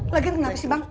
lagian kenapa sih bang